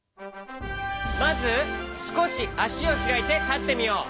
まずすこしあしをひらいてたってみよう。